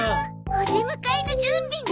お出迎えの準備ね。